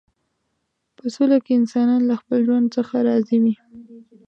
په سوله کې انسانان له خپل ژوند څخه راضي وي.